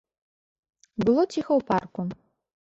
Было ціха ў парку.